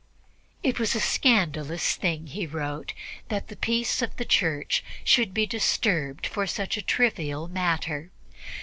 It was a scandalous thing, he wrote, that the peace of the Church should be disturbed for such a trivial matter.